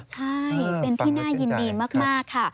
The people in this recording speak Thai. ใช่เป็นที่น่ายินดีมากค่ะ